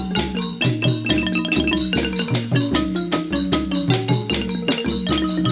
โชว์แรกครับ